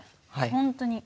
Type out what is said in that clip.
本当に。